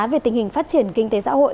về tình hình phát triển kinh tế xã hội